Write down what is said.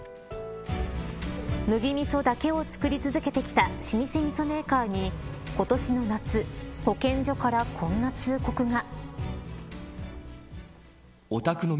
麦みそだけを作り続けてきた老舗みそメーカーに今年の夏、保健所からこんな通告が。